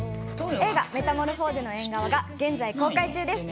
映画『メタモルフォーゼの縁側』が現在公開中です。